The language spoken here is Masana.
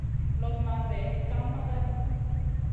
Loɓ ma vayd ka maganou.